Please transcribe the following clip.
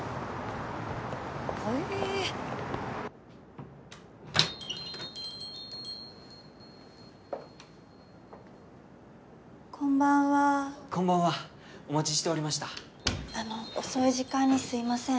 へぇこんばんはこんばんはお待ちしておりましたあの遅い時間にすいません